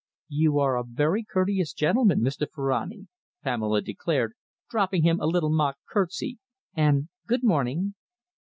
"You are a very courteous gentleman, Mr. Ferrani," Pamela declared, dropping him a little mock curtsey, "and good morning!"